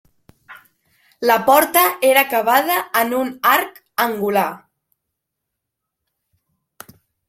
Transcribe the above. La porta era acabada en un arc angular.